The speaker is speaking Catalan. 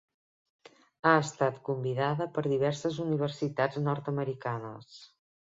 Ha estat convidada per diverses universitats nord-americanes.